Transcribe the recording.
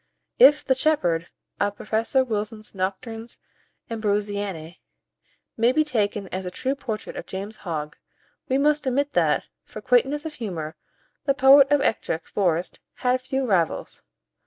If "the shepherd" of Professor Wilson's "Noctes Ambrosianae" may be taken as a true portrait of James Hogg, we must admit that, for quaintness of humour, the poet of Ettrick Forest had few rivals.